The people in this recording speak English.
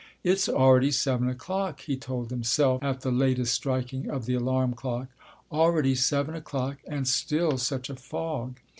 "It's already seven o'clock," he told himself at the latest striking of the alarm clock, "already seven o'clock and still such a fog."